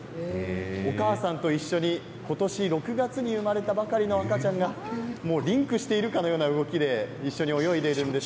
お母さんと一緒に今年６月に生まれたばかりの赤ちゃんがリンクしているかのような動きで一緒に泳いでいるんです。